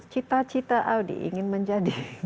cita cita audi ingin menjadi